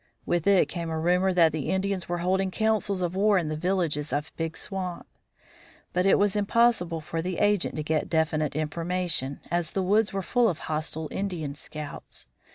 With it came a rumor that the Indians were holding councils of war in the villages of the Big Swamp. But it was impossible for the agent to get definite information, as the woods were full of hostile Indian scouts.